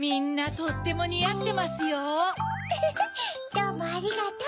どうもありがとう。